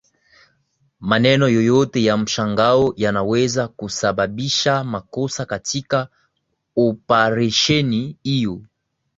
Maneno yoyote ya mshangao yanaweza kusababisha makosa katika oparesheni hiyo